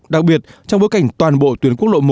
đặc biệt trong bối cảnh toàn bộ tuyến quốc lộ một